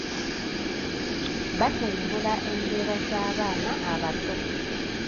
Batumbula embeera z’abaana abato.